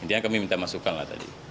intinya kami minta masukan lah tadi